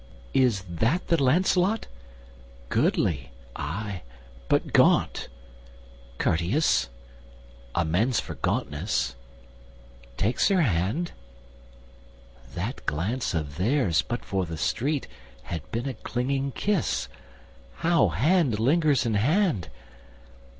"Is that the Lancelot? goodly—ay, but gaunt: Courteous—amends for gauntness—takes her hand— That glance of theirs, but for the street, had been A clinging kiss—how hand lingers in hand!